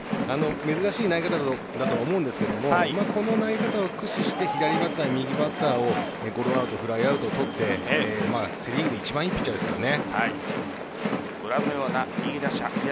珍しい投げ方だと思うんですけどもこの投げ方を駆使して左バッター、右バッターをゴロアウトフライアウトを取ってセ・リーグで一番いいピッチャーですからね。